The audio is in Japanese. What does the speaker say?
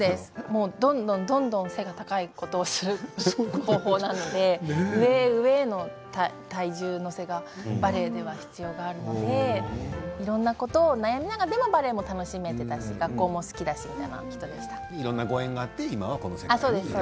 どんどんどんどん背が高いことをする方法なので上へ上への体重のせがバレエでは必要になるのでいろんなことを悩みながらでもバレエも楽しめていたし学校も好きだった人でした。